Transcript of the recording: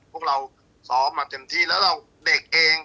พวกเราซ้อมมาเต็มที่แล้วเราเด็กเอง